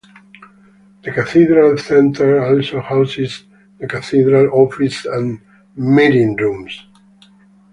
The Cathedral Centre also houses the cathedral offices and meeting rooms.